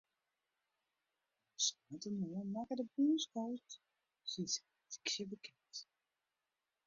No sneintemoarn makket de bûnscoach syn seleksje bekend.